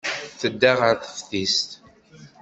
Tedda ɣer teftist.